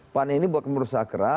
pan ini buat pemerintah akra